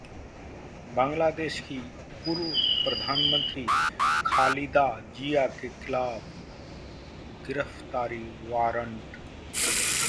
बांग्लादेश की पूर्व प्रधानमंत्री खालिदा जिया के खिलाफ गिरफ्तारी वारंट